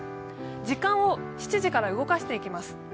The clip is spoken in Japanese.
時間を７時から動かしていきます。